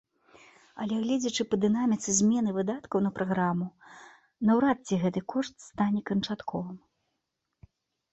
Але гледзячы па дынаміцы змены выдаткаў на праграму, наўрад ці гэты кошт стане канчатковым.